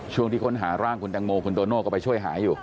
ช่วงที่ค้นหาร่างคุณตังโมคุณโตโน่ก็ไปช่วยหาอยู่